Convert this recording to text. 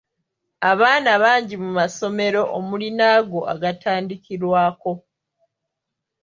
Abaana bangi mu masomero omuli n’ago agatandikirwako.